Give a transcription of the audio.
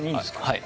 はい。